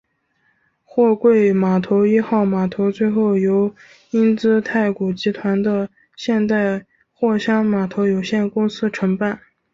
货柜码头一号码头最后由英资太古集团的现代货箱码头有限公司承办。